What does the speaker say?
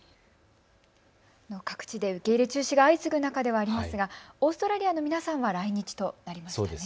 各地で受け入れ中止が相次ぐ中ではありますがオーストラリアの皆さんは来日となりました。